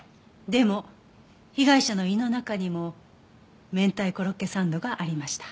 でも被害者の胃の中にもめんたいコロッケサンドがありました。